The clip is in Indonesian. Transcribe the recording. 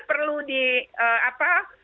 perlu di apa